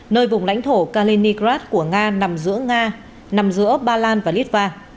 nơi vùng lãnh thổ kalinicrad của nga nằm giữa nga nằm giữa ba lan và litva